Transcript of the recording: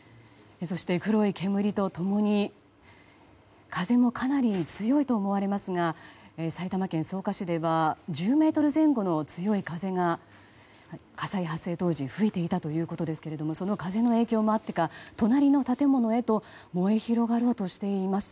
そして、黒い煙と共に風もかなり強いと思われますが埼玉県草加市では１０メートル前後の強い風が火災発生当時吹いていたということですがその風の影響もあってか隣の建物へと燃え広がろうとしています。